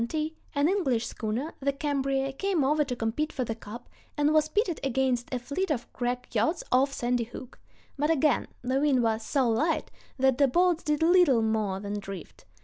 ] At length, in 1870, an English schooner, the Cambria, came over to compete for the cup, and was pitted against a fleet of crack yachts off Sandy Hook; but again the wind was so light that the boats did little more than drift.